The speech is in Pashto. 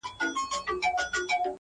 ما په تمه د درملو ورته عُمر دی خوړلی؛